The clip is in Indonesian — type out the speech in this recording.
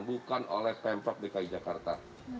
bukan oleh pemprov dki jakarta